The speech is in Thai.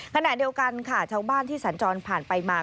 ขณะเดียวกันค่ะชาวบ้านที่สัญจรผ่านไปมา